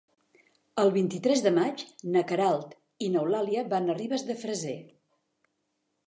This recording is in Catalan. El vint-i-tres de maig na Queralt i n'Eulàlia van a Ribes de Freser.